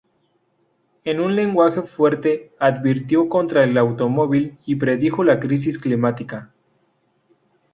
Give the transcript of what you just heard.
En un lenguaje fuerte, advirtió contra el automóvil y predijo la crisis climática.